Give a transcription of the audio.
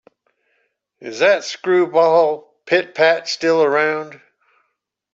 Is that screwball Pit-Pat still around?